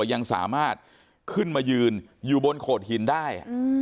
ยังสามารถขึ้นมายืนอยู่บนโขดหินได้